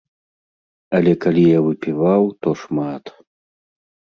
Але калі я выпіваў, то шмат.